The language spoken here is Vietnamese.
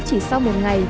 chỉ sau một ngày